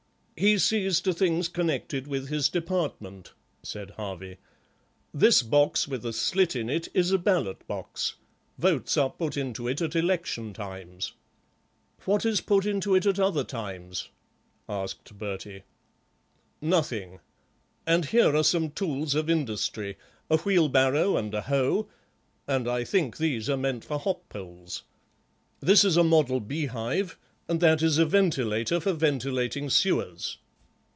"He sees to things connected with his Department," said Harvey. "This box with a slit in it is a ballot box. Votes are put into it at election times." "What is put into it at other times?" asked Bertie. "Nothing. And here are some tools of industry, a wheelbarrow and a hoe, and I think these are meant for hop poles. This is a model beehive, and that is a ventilator, for ventilating sewers.